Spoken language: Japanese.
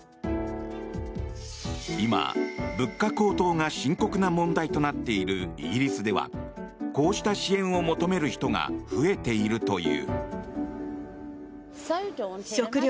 今、物価高騰が深刻な問題となっているイギリスではこうした支援を求める人が増えているという。